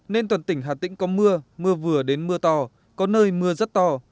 nên toàn tỉnh hà tĩnh có mưa mưa vừa đến mưa to có nơi mưa rất to